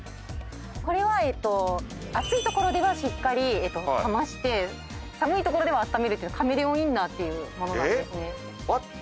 これは暑いところではしっかり冷まして寒いところではあっためるってカメレオンインナーっていう。